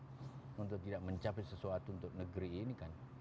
saya nggak mau mencapai sesuatu untuk negeri ini